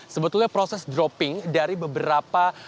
sebetulnya proses dropping dari beberapa